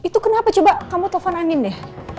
itu kenapa coba kamu telfon anin deh